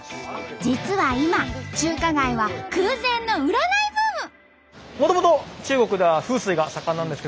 実は今中華街は空前の占いブーム。